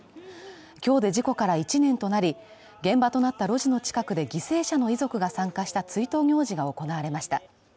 今日で事故から１年となり、現場となった路地の近くで、犠牲者の遺族が参加した追悼行事が行われました。